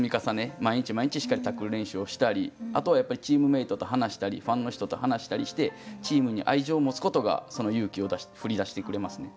毎日毎日しっかりタックル練習をしたりあとはやっぱりチームメートと話したりファンの人と話したりしてチームに愛情を持つことがその勇気を振り出してくれますね。